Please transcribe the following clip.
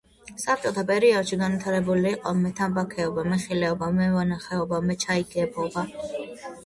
საბჭოთა პერიოდში განვითარებული იყო მეთამბაქოეობა, მეხილეობა, მევენახეობა, მეჩაიეობა.